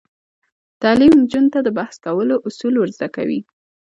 تعلیم نجونو ته د بحث کولو اصول ور زده کوي.